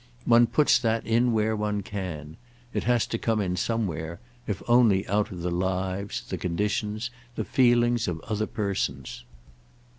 One puts that in where one can—it has to come in somewhere, if only out of the lives, the conditions, the feelings of other persons.